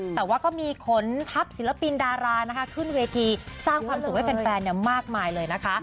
แต่ว่าก็มีขนทัพศิลปินดารานะคะขึ้นเวทีสร้างความสุขให้แฟนมากมายเลยนะคะ